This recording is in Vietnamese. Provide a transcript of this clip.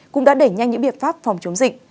cũng đã đẩy nhanh những biện pháp phòng chống dịch